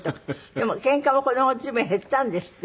でもケンカはこの頃随分減ったんですって？